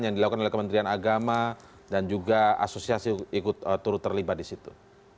yang dilakukan oleh kementerian agama dan juga asosiasi ikut turut terlibat di situ